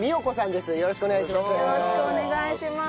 よろしくお願いします。